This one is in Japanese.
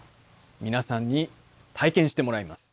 みなさんに体験してもらいます。